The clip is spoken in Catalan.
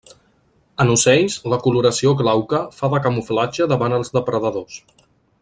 En ocells la coloració glauca fa de camuflatge davant els depredadors.